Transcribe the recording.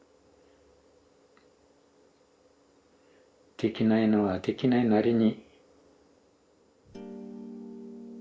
できないのはできないなりに。